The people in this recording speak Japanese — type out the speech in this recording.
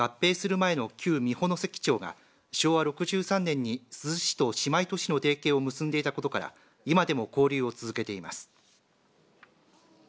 松江市は合併する前の旧美保関町が昭和６３年に珠洲市と姉妹都市の提携を結んでいたことから今でも交流を続けています。